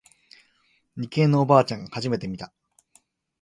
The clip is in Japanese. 理系のおばあちゃん初めて見た。